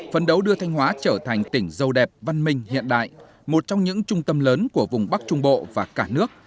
phấn đấu đưa thanh hóa trở thành tỉnh dâu đẹp văn minh hiện đại một trong những trung tâm lớn của vùng bắc trung bộ và cả nước